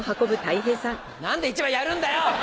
何で１枚やるんだよ！